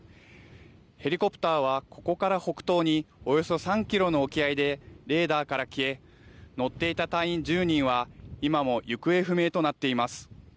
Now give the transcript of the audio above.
ヘリコプターはここから北東におよそ３キロの沖合でレーダーから消え乗っていた隊員１０人は今も行方不明となっています。